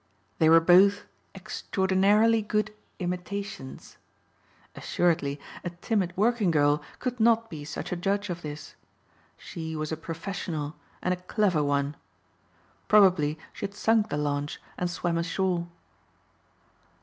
They were both extraordinarily good imitations! Assuredly a timid working girl could not be such a judge of this. She was a professional and a clever one. Probably she had sunk the launch and swam ashore.